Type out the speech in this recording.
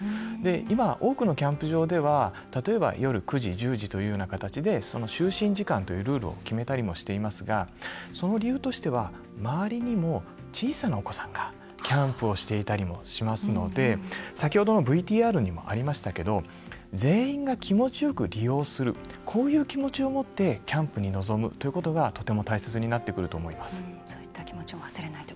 今、多くのキャンプ場では例えば、夜９時、１０時というような形で就寝時間というルールを決めたりもしていますがその理由としては周りにも小さなお子さんがキャンプをしていたりしますので先ほどのＶＴＲにもありましたけど全員が気持ちよく利用するこういう気持ちを持ってキャンプに臨むということがとても大切になってくると思います。